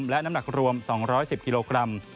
และน้ำหนักรวม๒๑๐กิโลกรัม